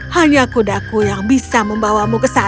hanya kudaku yang bisa membawamu ke sana